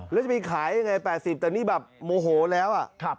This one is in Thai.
แล้วจะไปขาย๘๐บาทแต่นี่โมโหแล้ว